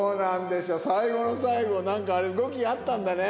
最後の最後なんかあれ動きがあったんだね。